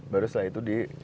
baru setelah itu di